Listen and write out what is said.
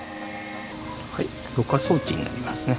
はいろ過装置になりますね